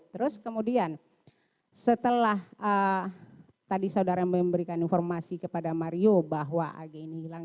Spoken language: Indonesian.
terus kemudian setelah tadi saudara memberikan informasi kepada mario bahwa ag ini hilang